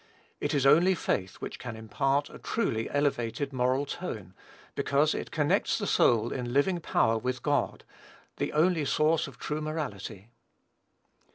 It is only faith which can impart a truly elevated moral tone, because it connects the soul in living power with God, the only Source of true morality.